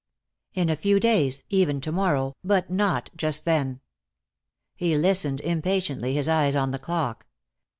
In a few days, even to morrow, but not just then. He listened, impatiently, his eyes on the clock.